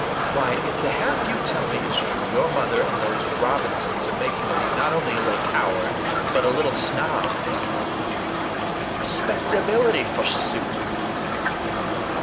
"Why, if the half you tell me is true, your mother and those Robinsons are making of you not only a little coward, but a little snob, miss. Respectability, forsooth!